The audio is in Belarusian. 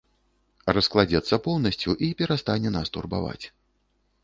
Раскладзецца поўнасцю і перастане нас турбаваць.